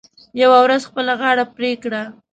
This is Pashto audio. یوه ورځ خپله غاړه پرې کړه .